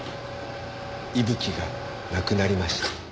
伊吹が亡くなりました。